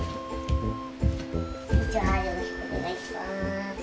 よろしくお願いします